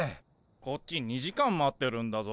こっち２時間待ってるんだぞ。